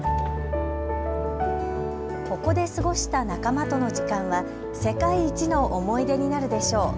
ここで過ごした仲間との時間は世界一の思い出になるでしょう。